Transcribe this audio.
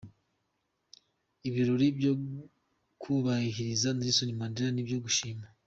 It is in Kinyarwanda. Ibirori byo kwubahiriza Nelson Mandela ni ibyo gushimwa.